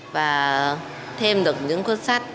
và thêm được những cuốn sách